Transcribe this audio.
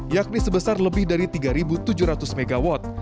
yakni sebesar lebih dari tiga tujuh ratus mw